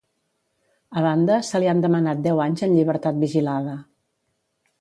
A banda, se li han demanat deu anys en llibertat vigilada.